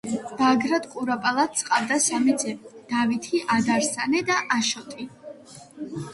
ბაგრატ კურაპალატს ჰყავდა სამი ძე: დავითი, ადარნასე და აშოტი.